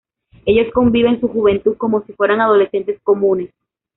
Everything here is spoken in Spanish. Ellos conviven su juventud como si fueran adolescentes comunes.